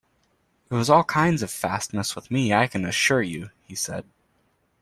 ‘It was all kinds of fastness with me, I can assure you!’ he said.